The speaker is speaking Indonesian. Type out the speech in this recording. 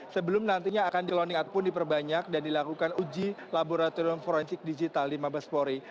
sebelum nantinya akan di launing out pun diperbanyak dan dilakukan uji laboratorium forensik digital di mabespori